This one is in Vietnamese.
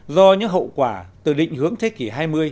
do những hậu quả từ định hướng thế kỷ hai mươi